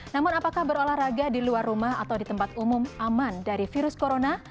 namun apakah berolahraga di luar rumah atau di tempat umum aman dari virus corona